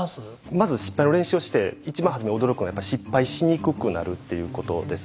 まず失敗の練習をして一番初めに驚くのが失敗しにくくなるということです。